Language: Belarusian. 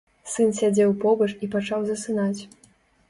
Сын сядзеў побач і пачаў засынаць.